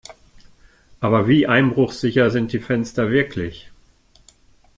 Aber wie einbruchsicher sind die Fenster wirklich?